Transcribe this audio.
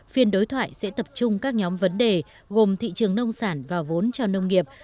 phiên đối thoại sẽ tập trung các nhóm vấn đề gồm thị trường nông sản và vốn cho nông nghiệp